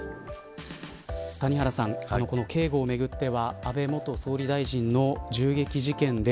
谷原さん、この警護をめぐっては安倍元総理大臣の銃撃事件で